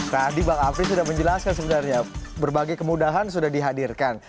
tadi bang afri sudah menjelaskan sebenarnya berbagai kemudahan sudah dihadirkan